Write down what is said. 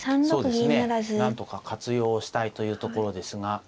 そうですねなんとか活用したいというところですが。